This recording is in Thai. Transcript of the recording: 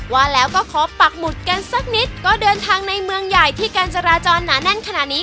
ว่าแล้วก็ขอปักหมุดกันสักนิดก็เดินทางในเมืองใหญ่ที่การจราจรหนาแน่นขนาดนี้